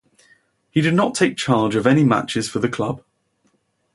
He did not take charge of any matches for the club.